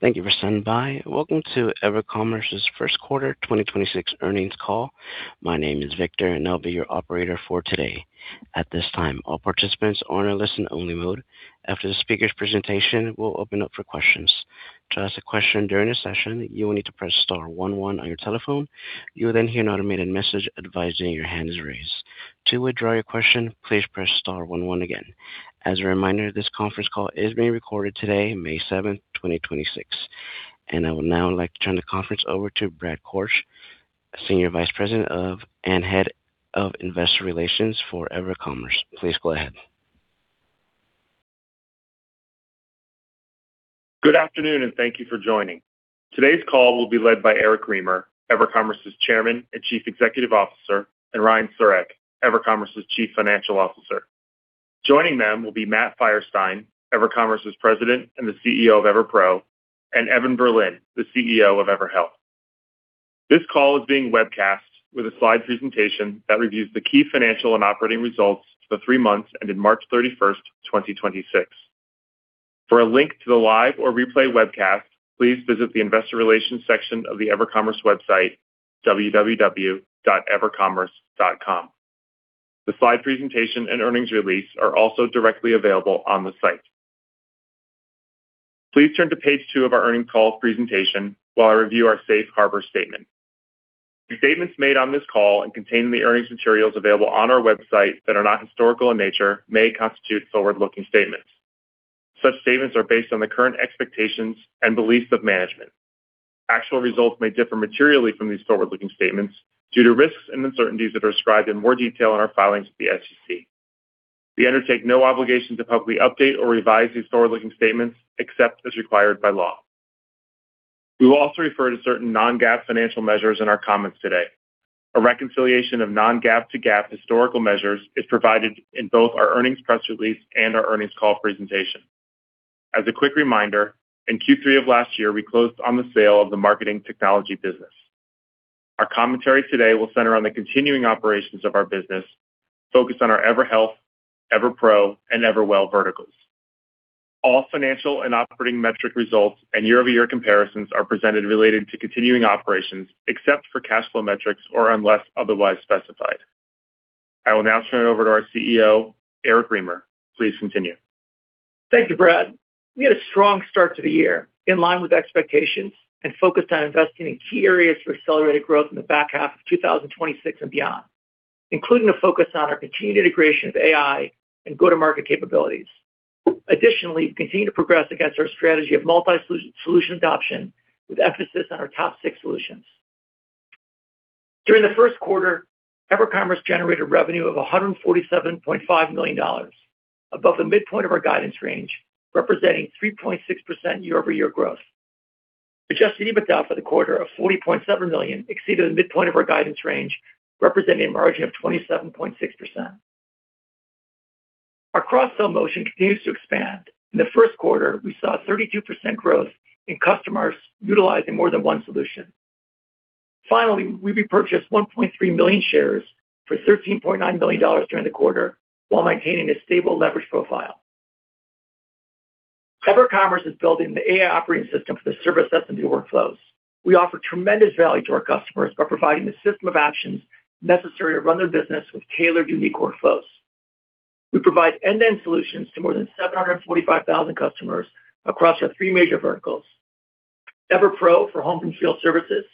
Thank you for standing by. Welcome to EverCommerce's first quarter 2026 earnings call. My name is Victor, and I'll be your operator for today. At this time, all participants are in a listen-only mode. After the speaker's presentation, we'll open up for questions. To ask a question during the session, you will need to press star one one on your telephone. You will then hear an automated message advising your hand is raised. To withdraw your question, please press star one one again. As a reminder, this conference call is being recorded today, May 7, 2026. I would now like to turn the conference over to Brad Korch, Senior Vice President of, and Head of Investor Relations for EverCommerce. Please go ahead. Good afternoon, and thank you for joining. Today's call will be led by Eric Remer, EverCommerce's Chairman and Chief Executive Officer, and Ryan Siurek, EverCommerce's Chief Financial Officer. Joining them will be Matt Feierstein, EverCommerce's President and the CEO of EverPro, and Evan Berlin, the CEO of EverHealth. This call is being webcast with a slide presentation that reviews the key financial and operating results for three months ending March 31, 2026. For a link to the live or replay webcast, please visit the investor relations section of the EverCommerce website, www.evercommerce.com. The slide presentation and earnings release are also directly available on the site. Please turn to page two of our earnings call presentation while I review our safe harbor statement. The statements made on this call and contained in the earnings materials available on our website that are not historical in nature may constitute forward-looking statements. Such statements are based on the current expectations and beliefs of management. Actual results may differ materially from these forward-looking statements due to risks and uncertainties that are described in more detail in our filings with the SEC. We undertake no obligation to publicly update or revise these forward-looking statements except as required by law. We will also refer to certain non-GAAP financial measures in our comments today. A reconciliation of non-GAAP to GAAP historical measures is provided in both our earnings press release and our earnings call presentation. As a quick reminder, in Q3 of last year, we closed on the sale of the marketing technology business. Our commentary today will center on the continuing operations of our business, focused on our EverHealth, EverPro and EverWell verticals. All financial and operating metric results and year-over-year comparisons are presented related to continuing operations except for cash flow metrics or unless otherwise specified. I will now turn it over to our CEO, Eric Remer. Please continue. Thank you, Brad Korch. We had a strong start to the year, in line with expectations and focused on investing in key areas for accelerated growth in the back half of 2026 and beyond, including a focus on our continued integration of AI and go-to-market capabilities. We continue to progress against our strategy of multi-product adoption with emphasis on our top six solutions. During the first quarter, EverCommerce generated revenue of $147.5 million, above the midpoint of our guidance range, representing 3.6% year-over-year growth. Adjusted EBITDA for the quarter of $40.7 million exceeded the midpoint of our guidance range, representing a margin of 27.6%. Our cross-sell motion continues to expand. In the first quarter, we saw 32% growth in customers utilizing more than one solution. Finally, we repurchased 1.3 million shares for $13.9 million during the quarter while maintaining a stable leverage profile. EverCommerce is building the AI operating system for the service SMB workflows. We offer tremendous value to our customers by providing the system of actions necessary to run their business with tailored, unique workflows. We provide end-to-end solutions to more than 745,000 customers across our three major verticals. EverPro for home and field services,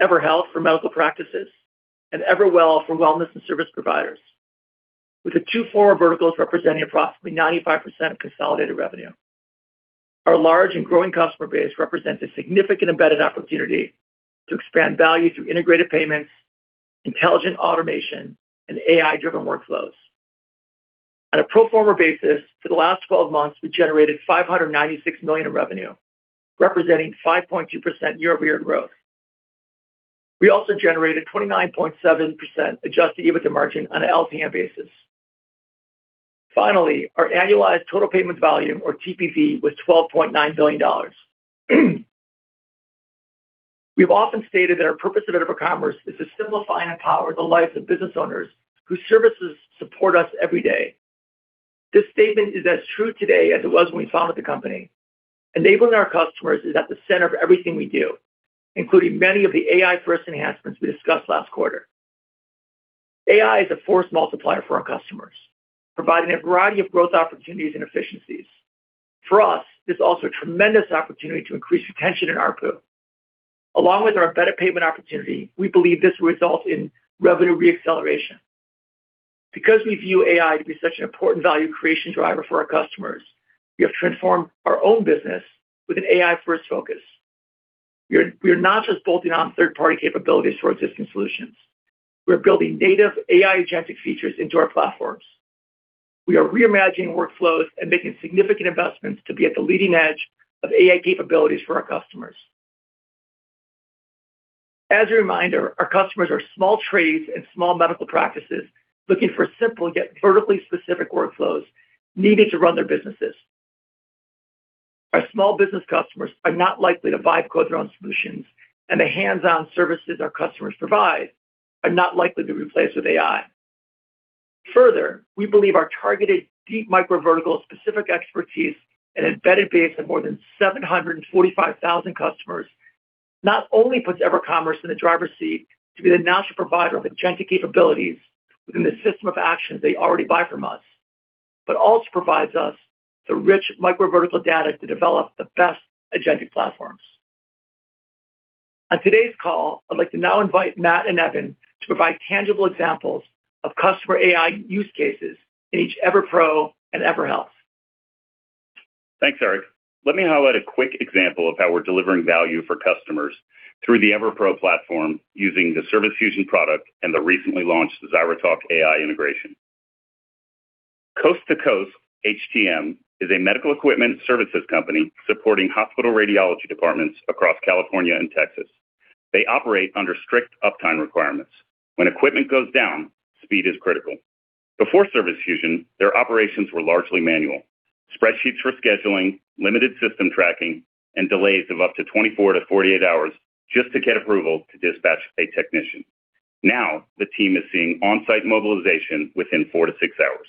EverHealth for medical practices, and EverWell for wellness and service providers, with the two former verticals representing approximately 95% of consolidated revenue. Our large and growing customer base represents a significant embedded opportunity to expand value through integrated payments, intelligent automation, and AI-driven workflows. On a pro forma basis, for the last 12 months we generated $596 million in revenue, representing 5.2% year-over-year growth. We also generated 29.7% adjusted EBITDA margin on an LTM basis. Finally, our annualized total payments volume, or TPV, was $12.9 billion. We've often stated that our purpose at EverCommerce is to simplify and empower the lives of business owners whose services support us every day. This statement is as true today as it was when we founded the company. Enabling our customers is at the center of everything we do, including many of the AI-first enhancements we discussed last quarter. AI is a force multiplier for our customers, providing a variety of growth opportunities and efficiencies. For us, this is also a tremendous opportunity to increase retention and ARPU. Along with our embedded payment opportunity, we believe this will result in revenue re-acceleration. Because we view AI to be such an important value creation driver for our customers, we have transformed our own business with an AI-first focus. We're not just bolting on third-party capabilities to our existing solutions. We're building native AI agentic features into our platforms. We are reimagining workflows and making significant investments to be at the leading edge of AI capabilities for our customers. As a reminder, our customers are small trades and small medical practices looking for simple yet vertically specific workflows needed to run their businesses. Our small business customers are not likely to build their own solutions, and the hands-on services our customers provide are not likely to be replaced with AI. Further, we believe our targeted deep microvertical specific expertise and embedded base of more than 745,000 customers not only puts EverCommerce in the driver's seat to be the natural provider of agentic capabilities within the system of actions they already buy from us, but also provides us the rich microvertical data to develop the best agentic platforms. On today's call, I'd like to now invite Matt and Evan to provide tangible examples of customer AI use cases in each EverPro and EverHealth. Thanks, Eric. Let me highlight a quick example of how we're delivering value for customers through the EverPro platform using the Service Fusion product and the recently launched ZyraTalk AI integration. Coast to Coast HTM is a medical equipment services company supporting hospital radiology departments across California and Texas. They operate under strict uptime requirements. When equipment goes down, speed is critical. Before Service Fusion, their operations were largely manual. Spreadsheets for scheduling, limited system tracking, and delays of up to 24-48 hours just to get approval to dispatch a technician. Now, the team is seeing on-site mobilization within four to six hours.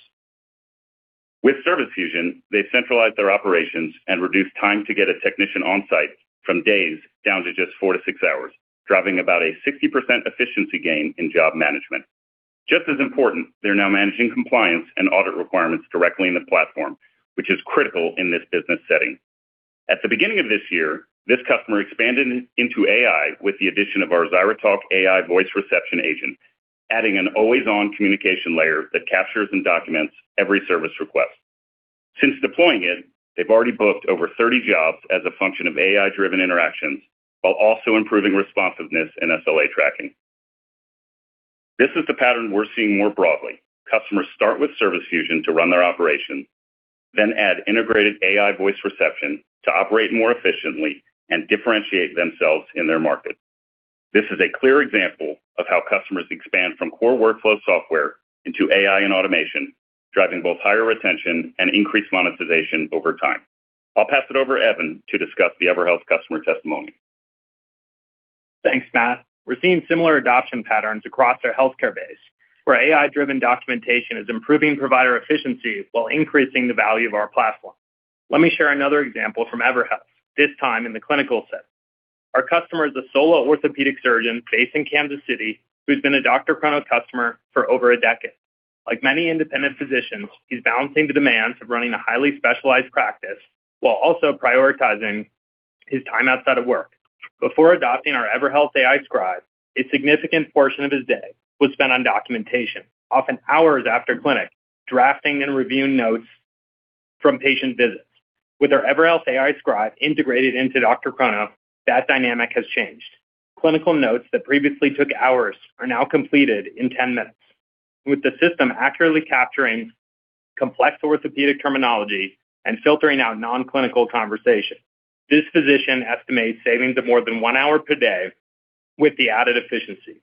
With Service Fusion, they centralized their operations and reduced time to get a technician on site from days down to just four to six hours, driving about a 60% efficiency gain in job management. Just as important, they're now managing compliance and audit requirements directly in the platform, which is critical in this business setting. At the beginning of this year, this customer expanded into AI with the addition of our ZyraTalk AI voice reception agent, adding an always-on communication layer that captures and documents every service request. Since deploying it, they've already booked over 30 jobs as a function of AI-driven interactions while also improving responsiveness and SLA tracking. This is the pattern we're seeing more broadly. Customers start with Service Fusion to run their operation, add integrated AI voice reception to operate more efficiently and differentiate themselves in their market. This is a clear example of how customers expand from core workflow software into AI and automation, driving both higher retention and increased monetization over time. I'll pass it over to Evan to discuss the EverHealth customer testimony. Thanks, Matt. We're seeing similar adoption patterns across our healthcare base, where AI-driven documentation is improving provider efficiency while increasing the value of our platform. Let me share another example from EverHealth, this time in the clinical setting. Our customer is a solo orthopedic surgeon based in Kansas City who's been a DrChrono customer for over a decade. Like many independent physicians, he's balancing the demands of running a highly specialized practice while also prioritizing his time outside of work. Before adopting our EverHealth Scribe, a significant portion of his day was spent on documentation, often hours after clinic, drafting and reviewing notes from patient visits. With our EverHealth Scribe integrated into DrChrono, that dynamic has changed. Clinical notes that previously took hours are now completed in 10 minutes, with the system accurately capturing complex orthopedic terminology and filtering out non-clinical conversation. This physician estimates savings of more than one hour per day with the added efficiency,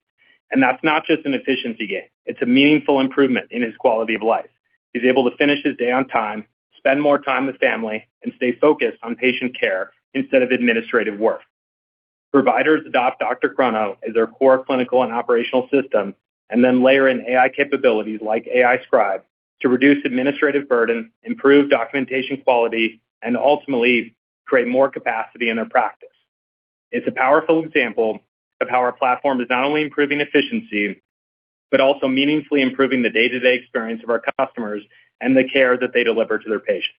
and that's not just an efficiency gain. It's a meaningful improvement in his quality of life. He's able to finish his day on time, spend more time with family, and stay focused on patient care instead of administrative work. Providers adopt DrChrono as their core clinical and operational system, and then layer in AI capabilities like AI Scribe to reduce administrative burden, improve documentation quality, and ultimately create more capacity in their practice. It's a powerful example of how our platform is not only improving efficiency, but also meaningfully improving the day-to-day experience of our customers and the care that they deliver to their patients.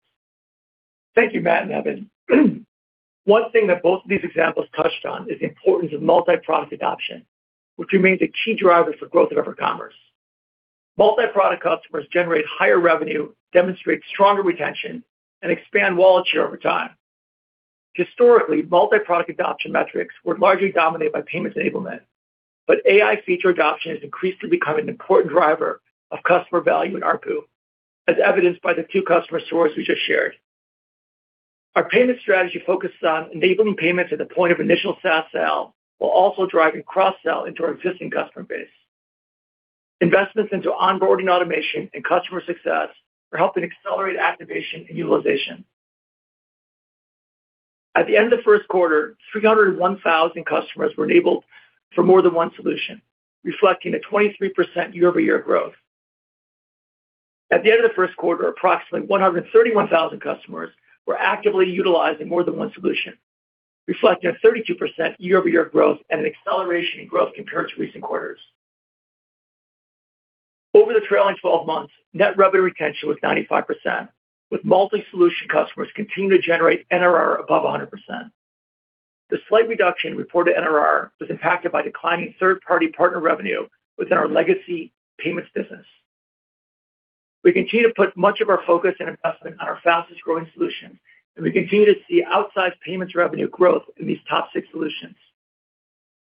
Thank you, Matt and Evan. One thing that both of these examples touched on is the importance of multi-product adoption, which remains a key driver for growth at EverCommerce. Multi-product customers generate higher revenue, demonstrate stronger retention, and expand wallet share over time. Historically, multi-product adoption metrics were largely dominated by payments enablement, but AI feature adoption has increasingly become an important driver of customer value in ARPU, as evidenced by the two customer stories we just shared. Our payment strategy focuses on enabling payments at the point of initial SaaS sale while also driving cross-sell into our existing customer base. Investments into onboarding automation and customer success are helping accelerate activation and utilization. At the end of the first quarter, 301,000 customers were enabled for more than one solution, reflecting a 23% year-over-year growth. At the end of the first quarter, approximately 131,000 customers were actively utilizing more than one solution, reflecting a 32% year-over-year growth and an acceleration in growth compared to recent quarters. Over the trailing 12 months, net revenue retention was 95%, with multi-solution customers continuing to generate NRR above 100%. The slight reduction in reported NRR was impacted by declining third-party partner revenue within our legacy payments business. We continue to put much of our focus and investment on our fastest-growing solutions, and we continue to see outsized payments revenue growth in these top six solutions.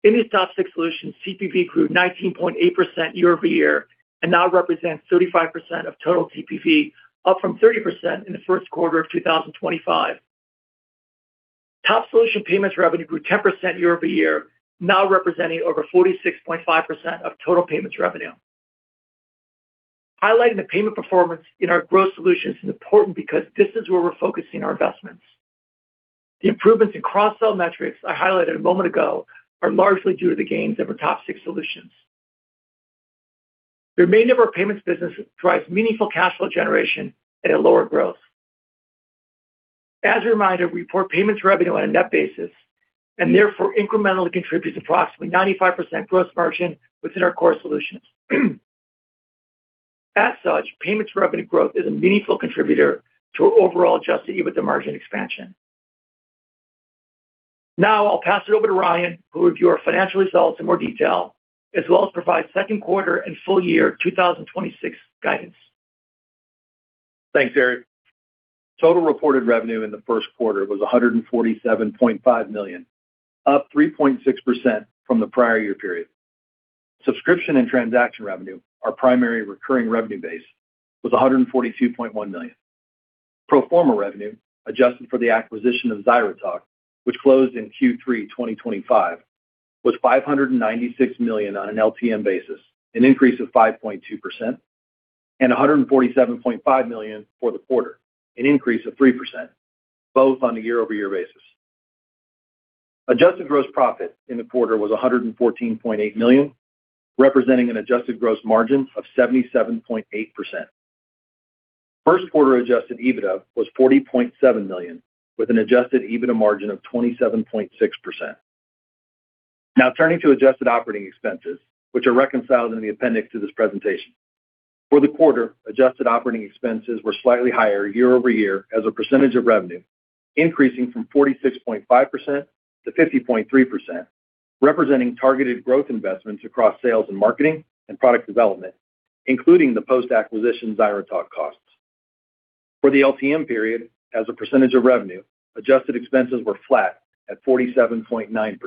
In these top six solutions, TPV grew 19.8% year-over-year and now represents 35% of total TPV, up from 30% in the first quarter of 2025. Top solution payments revenue grew 10% year-over-year, now representing over 46.5% of total payments revenue. Highlighting the payment performance in our growth solutions is important because this is where we're focusing our investments. The improvements in cross-sell metrics I highlighted a moment ago are largely due to the gains of our top six solutions. The remainder of our payments business drives meaningful cash flow generation at a lower growth. As a reminder, we report payments revenue on a net basis and therefore incrementally contributes approximately 95% gross margin within our core solutions. As such, payments revenue growth is a meaningful contributor to our overall adjusted EBITDA margin expansion. Now I'll pass it over to Ryan, who will review our financial results in more detail, as well as provide second quarter and full-year 2026 guidance. Thanks, Eric. Total reported revenue in the first quarter was $147.5 million, up 3.6% from the prior year period. Subscription and transaction revenue, our primary recurring revenue base, was $142.1 million. Pro forma revenue, adjusted for the acquisition of ZyraTalk, which closed in Q3 2025, was $596 million on an LTM basis, an increase of 5.2%, and $147.5 million for the quarter, an increase of 3%, both on a year-over-year basis. Adjusted gross profit in the quarter was $114.8 million, representing an adjusted gross margin of 77.8%. First quarter adjusted EBITDA was $40.7 million, with an adjusted EBITDA margin of 27.6%. Now turning to adjusted operating expenses, which are reconciled in the appendix to this presentation. For the quarter, adjusted operating expenses were slightly higher year-over-year as a percentage of revenue, increasing from 46.5% to 50.3%, representing targeted growth investments across sales and marketing and product development, including the post-acquisition ZyraTalk costs. For the LTM period, as a percentage of revenue, adjusted expenses were flat at 47.9%.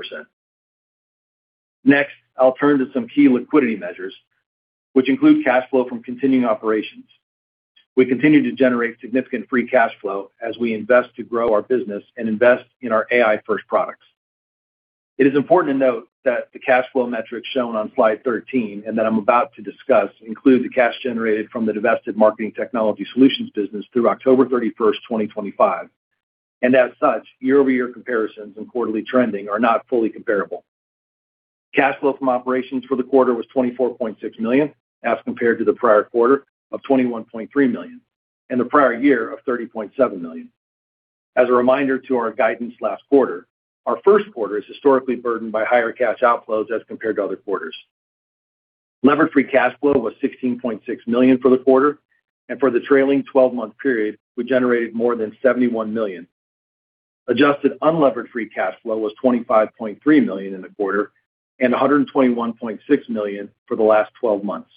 Next, I'll turn to some key liquidity measures, which include cash flow from continuing operations. We continue to generate significant free cash flow as we invest to grow our business and invest in our AI-first products. It is important to note that the cash flow metrics shown on slide 13 and that I'm about to discuss include the cash generated from the divested marketing technology solutions business through October 31, 2025. As such, year-over-year comparisons and quarterly trending are not fully comparable. Cash flow from operations for the quarter was $24.6 million, as compared to the prior quarter of $21.3 million and the prior year of $30.7 million. As a reminder to our guidance last quarter, our first quarter is historically burdened by higher cash outflows as compared to other quarters. levered free cash flow was $16.6 million for the quarter, and for the trailing 12-month period, we generated more than $71 million. adjusted unlevered free cash flow was $25.3 million in the quarter and $121.6 million for the last 12 months.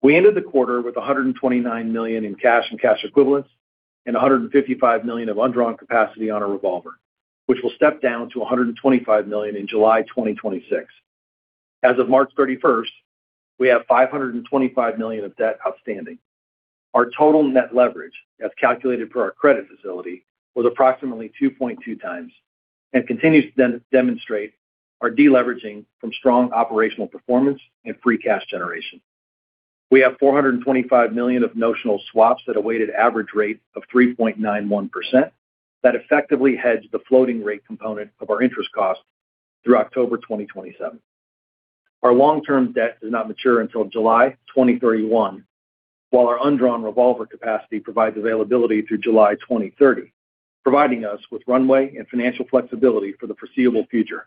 We ended the quarter with $129 million in cash and cash equivalents and $155 million of undrawn capacity on our revolver, which will step down to $125 million in July 2026. As of March 31st, we have $525 million of debt outstanding. Our total net leverage, as calculated per our credit facility, was approximately 2.2x and continues to demonstrate our deleveraging from strong operational performance and free cash generation. We have $425 million of notional swaps at a weighted average rate of 3.91% that effectively hedge the floating rate component of our interest cost through October 2027. Our long-term debt does not mature until July 2031, while our undrawn revolver capacity provides availability through July 2030, providing us with runway and financial flexibility for the foreseeable future.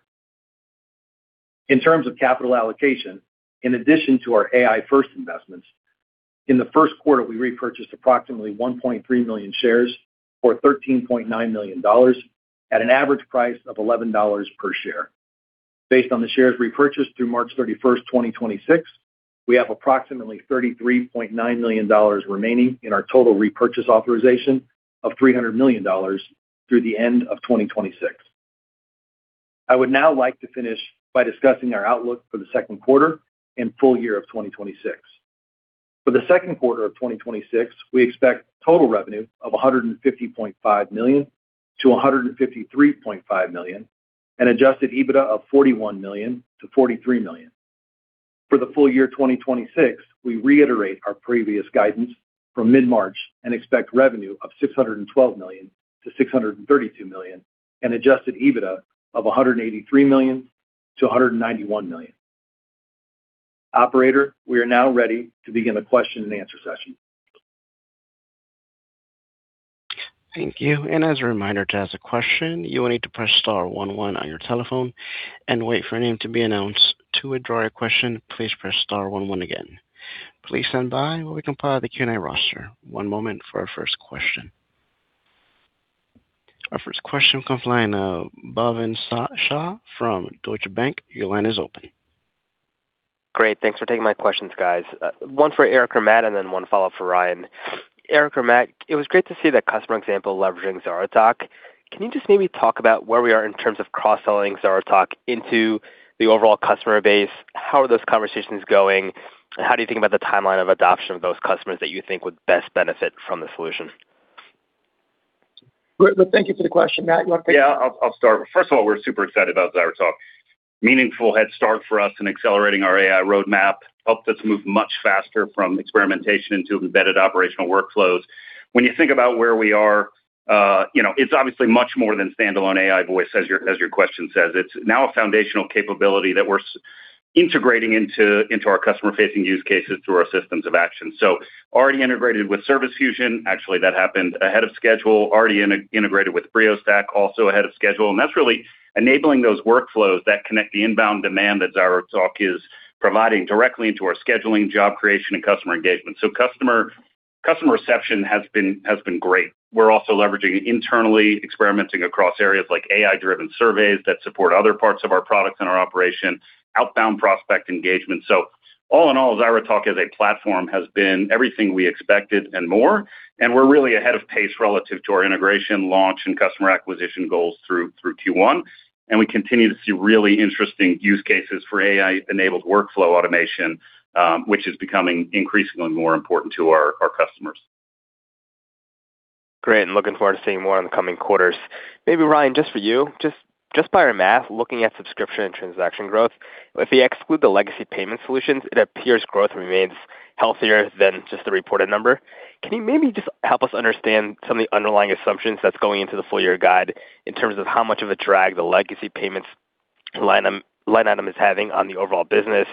In terms of capital allocation, in addition to our AI-first investments, in the first quarter, we repurchased approximately 1.3 million shares for $13.9 million at an average price of $11 per share. Based on the shares repurchased through March 31, 2026, we have approximately $33.9 million remaining in our total repurchase authorization of $300 million through the end of 2026. I would now like to finish by discussing our outlook for the second quarter and full-year of 2026. For the second quarter of 2026, we expect total revenue of $150.5-153.5 million and adjusted EBITDA of $41-43 million. For the full-year 2026, we reiterate our previous guidance from mid-March and expect revenue of $612-632 million and adjusted EBITDA of $183-191 million. Operator, we are now ready to begin the question-and-answer session. Thank you. As a reminder, to ask a question, you will need to press star one one on your telephone and wait for your name to be announced. To withdraw your question, please press star one one again. Please stand by while we compile the Q&A roster. One moment for our first question. Our first question comes from the line of Bhavin Shah from Deutsche Bank. Your line is open. Great. Thanks for taking my questions, guys. one for Eric or Matt, and then one follow-up for Ryan. Eric or Matt, it was great to see that customer example leveraging ZyraTalk. Can you just maybe talk about where we are in terms of cross-selling ZyraTalk into the overall customer base? How are those conversations going? How do you think about the timeline of adoption of those customers that you think would best benefit from the solution? Great. Thank you for the question. Matt, you want to take it? Yeah, I'll start. First of all, we're super excited about ZyraTalk Meaningful head start for us in accelerating our AI roadmap helped us move much faster from experimentation into embedded operational workflows. When you think about where we are, you know, it's obviously much more than standalone AI voice as your, as your question says. It's now a foundational capability that we're integrating into our customer-facing use cases through our systems of action. Already integrated with Service Fusion. Actually, that happened ahead of schedule. Already integrated with Briostack, also ahead of schedule. That's really enabling those workflows that connect the inbound demand that ZyraTalk is providing directly into our scheduling, job creation, and customer engagement. Customer reception has been great. We're also leveraging internally, experimenting across areas like AI-driven surveys that support other parts of our products and our operation, outbound prospect engagement. All in all, ZyraTalk as a platform has been everything we expected and more, and we're really ahead of pace relative to our integration, launch, and customer acquisition goals through Q1. We continue to see really interesting use cases for AI-enabled workflow automation, which is becoming increasingly more important to our customers. Great, looking forward to seeing more in the coming quarters. Maybe Ryan, just for you, just by our math, looking at subscription and transaction growth, if you exclude the legacy payment solutions, it appears growth remains healthier than just the reported number. Can you maybe just help us understand some of the underlying assumptions that's going into the full-year guide in terms of how much of a drag the legacy payments line item is having on the overall business?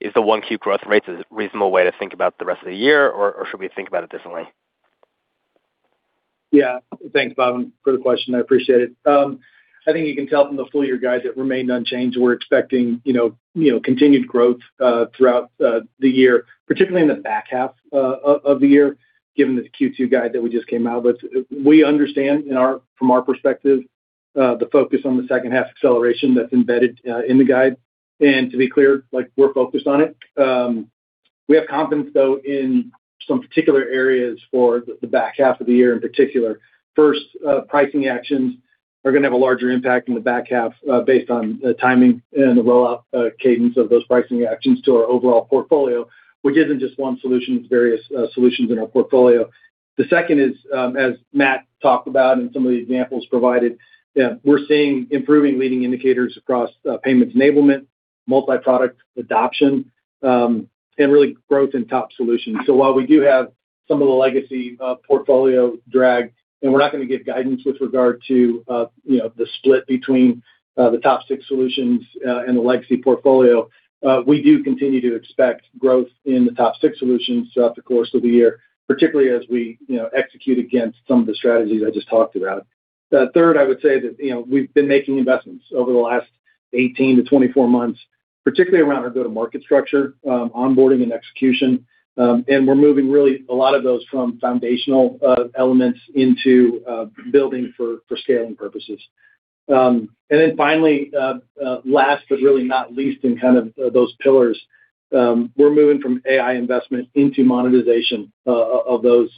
Is the 1Q growth rates a reasonable way to think about the rest of the year, or should we think about it differently? Thanks, Bhavin, for the question. I appreciate it. I think you can tell from the full-year guide that remained unchanged, we're expecting, you know, continued growth throughout the year, particularly in the back half of the year, given the Q2 guide that we just came out with. We understand from our perspective, the focus on the second half acceleration that's embedded in the guide. To be clear, like, we're focused on it. We have confidence, though, in some particular areas for the back half of the year in particular. First, pricing actions are gonna have a larger impact in the back half, based on the timing and the rollout cadence of those pricing actions to our overall portfolio, which isn't just one solution. It's various solutions in our portfolio. The second is, as Matt talked about in some of the examples provided, yeah, we're seeing improving leading indicators across payments enablement, multi-product adoption, and really growth in top solutions. While we do have some of the legacy portfolio drag, and we're not gonna give guidance with regard to, you know, the split between the top six solutions and the legacy portfolio, we do continue to expect growth in the top six solutions throughout the course of the year, particularly as we, you know, execute against some of the strategies I just talked about. The third, I would say that, you know, we've been making investments over the last 18-24 months, particularly around our go-to-market structure, onboarding and execution. We're moving really a lot of those from foundational elements into building for scaling purposes. Then finally, last but really not least in kind of those pillars, we're moving from AI investment into monetization of those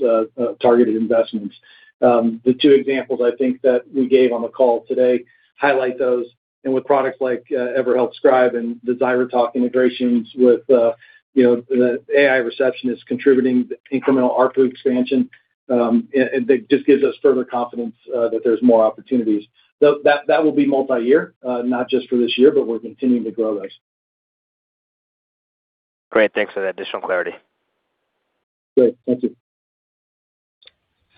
targeted investments. The two examples I think that we gave on the call today highlight those. With products like EverHealth Scribe and the ZyraTalk integrations with, you know, the AI receptionist contributing incremental ARPU expansion, it just gives us further confidence that there's more opportunities. That will be multi-year, not just for this year, but we're continuing to grow those. Great. Thanks for that additional clarity. Great. Thank you.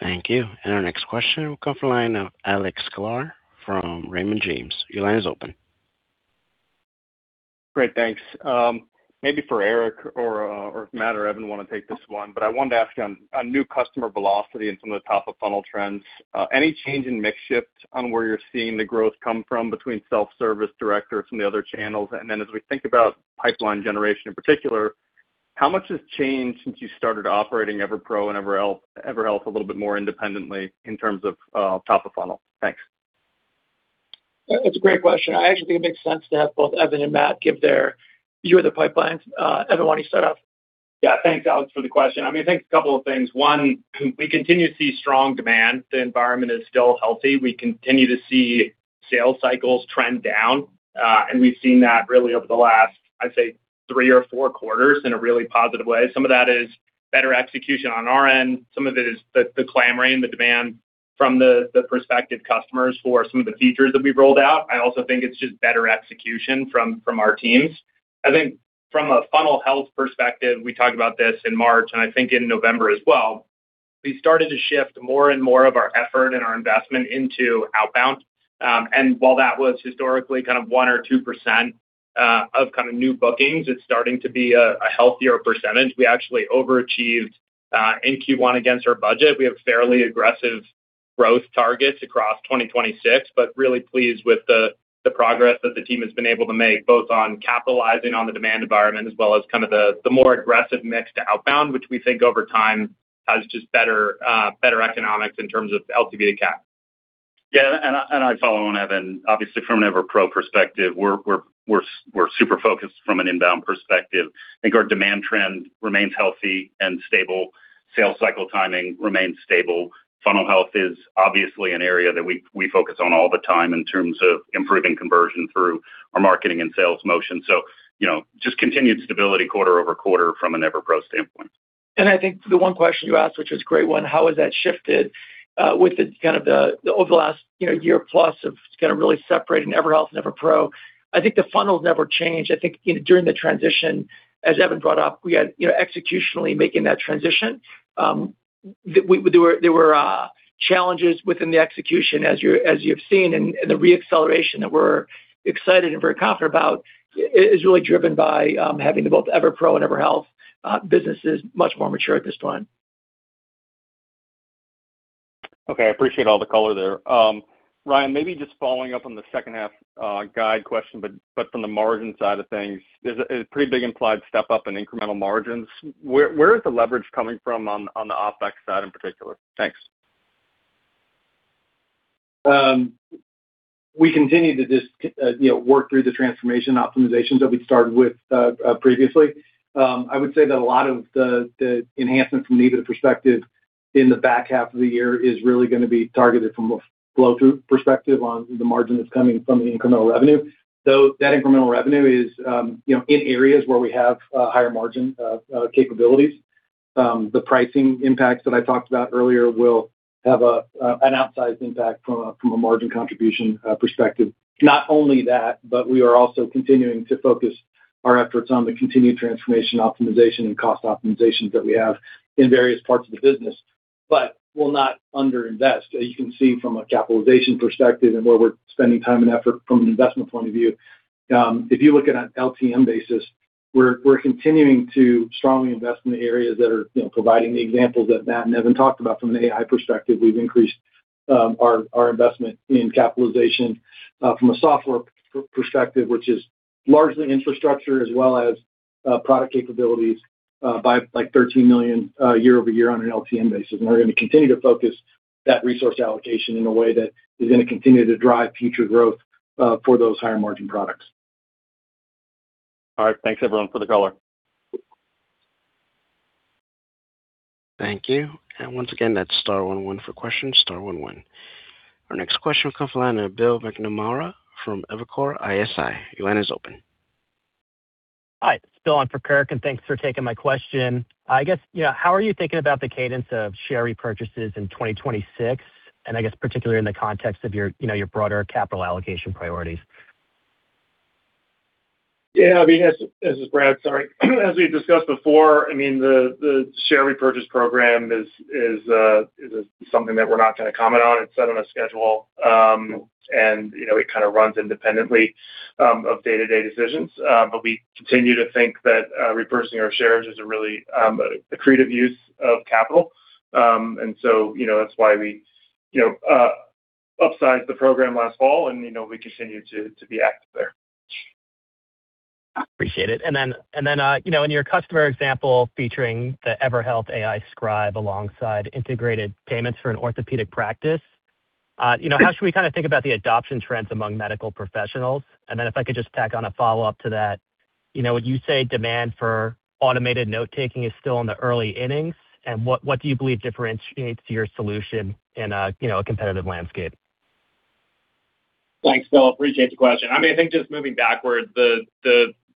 Thank you. Our next question will come from the line of Alex Sklar from Raymond James. Your line is open. Great. Thanks. Maybe for Eric or if Matt or Evan want to take this one, I wanted to ask you on new customer velocity and some of the top of funnel trends. Any change in mix shift on where you're seeing the growth come from between self-service, direct, or some of the other channels? As we think about pipeline generation in particular, how much has changed since you started operating EverPro and EverHealth a little bit more independently in terms of top of funnel? Thanks. That's a great question. I actually think it makes sense to have both Evan and Matt give their view of the pipelines. Evan, why don't you start off? Yeah. Thanks, Alex, for the question. I mean, I think a couple of things. One, we continue to see strong demand. The environment is still healthy. We continue to see sales cycles trend down, and we've seen that really over the last, I'd say, three or four quarters in a really positive way. Some of that is better execution on our end. Some of it is the clamoring, the demand from the prospective customers for some of the features that we've rolled out. I also think it's just better execution from our teams. I think from a funnel health perspective, we talked about this in March, and I think in November as well, we started to shift more and more of our effort and our investment into outbound. While that was historically kind of 1% or 2% of kind of new bookings, it's starting to be a healthier percentage. We actually overachieved in Q1 against our budget. We have fairly aggressive growth targets across 2026, but really pleased with the progress that the team has been able to make, both on capitalizing on the demand environment as well as kind of the more aggressive mix to outbound, which we think over time has just better economics in terms of LTV to CAC. Yeah, I'd follow on, Evan. Obviously, from an EverPro perspective, we're super focused from an inbound perspective. I think our demand trend remains healthy and stable. Sales cycle timing remains stable. Funnel health is obviously an area that we focus on all the time in terms of improving conversion through our marketing and sales motion. You know, just continued stability quarter-over-quarter from an EverPro standpoint. I think the one question you asked, which was a great one, how has that shifted with the over the last, you know, year plus of really separating EverHealth and EverPro. I think the funnels never change. I think, you know, during the transition, as Evan brought up, we had, you know, executionally making that transition. There were challenges within the execution as you're, as you've seen, and the re-acceleration that we're excited and very confident about is really driven by having the both EverPro and EverHealth businesses much more mature at this point. I appreciate all the color there. Ryan, maybe just following up on the second half, guide question, but from the margin side of things, there's a pretty big implied step up in incremental margins. Where is the leverage coming from on the OpEx side in particular? Thanks. We continue to just, you know, work through the transformation optimizations that we started with previously. I would say that a lot of the enhancements from an EV perspective in the back half of the year is really going to be targeted from a flow-through perspective on the margin that is coming from the incremental revenue. That incremental revenue is, you know, in areas where we have higher margin capabilities. The pricing impacts that I talked about earlier will have an outsized impact from a margin contribution perspective. Not only that, but we are also continuing to focus our efforts on the continued transformation optimization and cost optimizations that we have in various parts of the business, but will not underinvest. As you can see from a capitalization perspective and where we're spending time and effort from an investment point of view. If you look at an LTM basis, we're continuing to strongly invest in the areas that are, you know, providing the examples that Matt and Evan talked about from an AI perspective. We've increased our investment in capitalization from a software perspective, which is largely infrastructure as well as product capabilities by like $13 million year-over-year on an LTM basis. We're gonna continue to focus that resource allocation in a way that is gonna continue to drive future growth for those higher margin products. All right. Thanks everyone for the color. Thank you. Once again, that's star one one for questions, star one one. Our next question will come from the line of Bill McNamara from Evercore ISI. Your line is open. Hi, it's Bill on for Kirk, and thanks for taking my question. I guess, you know, how are you thinking about the cadence of share repurchases in 2026, and I guess particularly in the context of your, you know, your broader capital allocation priorities? I mean, this Brad. Sorry. As we've discussed before, I mean, the share repurchase program is something that we're not gonna comment on. It's set on a schedule, and you know, it kind of runs independently of day-to-day decisions. But we continue to think that repurchasing our shares is a really accretive use of capital. And so, you know, that's why we, you know, upsized the program last fall and, you know, we continue to be active there. Appreciate it. You know, in your customer example featuring the EverHealth Scribe alongside integrated payments for an orthopedic practice, you know, how should we kinda think about the adoption trends among medical professionals? If I could just tack on a follow-up to that. You know, would you say demand for automated note-taking is still in the early innings, and what do you believe differentiates your solution in a, you know, a competitive landscape? Thanks, Bill. Appreciate the question. I mean, I think just moving backwards,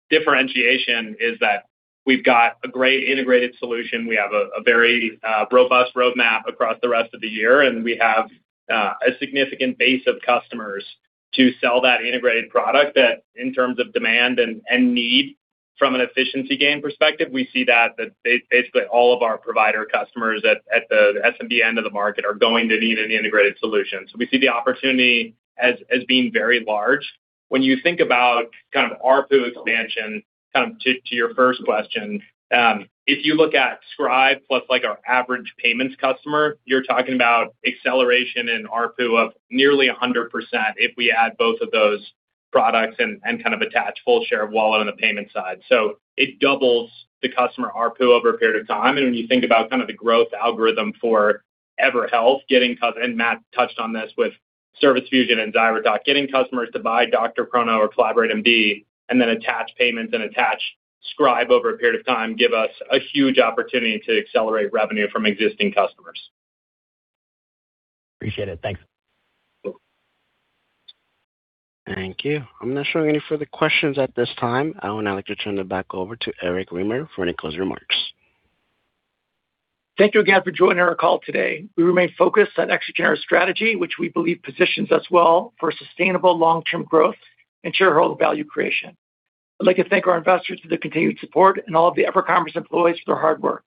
the differentiation is that we've got a great integrated solution. We have a very robust roadmap across the rest of the year, and we have a significant base of customers to sell that integrated product that in terms of demand and need from an efficiency gain perspective, we see that basically all of our provider customers at the SMB end of the market are going to need an integrated solution. We see the opportunity as being very large. When you think about kind of ARPU expansion, to your first question, if you look at Scribe plus like our average payments customer, you're talking about acceleration in ARPU of nearly 100% if we add both of those products and kind of attach full share of wallet on the payment side. It doubles the customer ARPU over a period of time. When you think about kind of the growth algorithm for EverHealth getting customers and Matt touched on this with Service Fusion and ZyraTalk, getting customers to buy DrChrono or CollaborateMD, and then attach payments and attach Scribe over a period of time, give us a huge opportunity to accelerate revenue from existing customers. Appreciate it. Thanks. Thank you. I'm not showing any further questions at this time. I would now like to turn it back over to Eric Remer for any closing remarks. Thank you again for joining our call today. We remain focused on executing our strategy, which we believe positions us well for sustainable long-term growth and shareholder value creation. I'd like to thank our investors for their continued support and all of the EverCommerce employees for their hard work.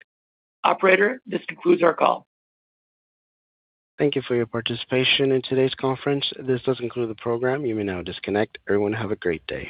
Operator, this concludes our call. Thank you for your participation in today's conference. This does conclude the program. You may now disconnect. Everyone have a great day.